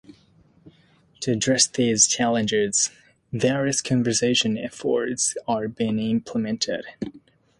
To address these challenges, various conservation efforts are being implemented.